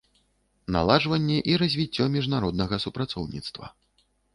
Наладжванне i развiццё мiжнароднага супрацоўнiцтва.